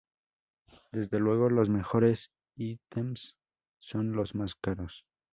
Desde luego, los mejores ítems son los más caros.